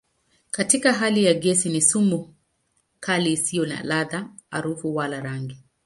Katika hali ya gesi ni sumu kali isiyo na ladha, harufu wala rangi.